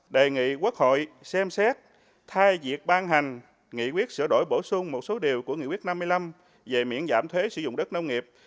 đề nghị quốc hội xem xét thay việc ban hành nghị quyết sửa đổi bổ sung một số điều của nghị quyết năm mươi năm về miễn giảm thuế sử dụng đất nông nghiệp